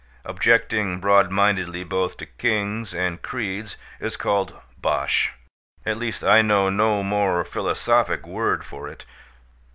Objecting broadmindedly both to kings and creeds is called Bosh; at least, I know no more philosophic word for it.